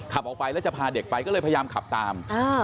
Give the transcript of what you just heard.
ขับออกไปแล้วจะพาเด็กไปก็เลยพยายามขับตาม